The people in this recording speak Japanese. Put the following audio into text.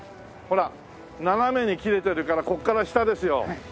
ほら斜めに切れてるからここから下ですよ。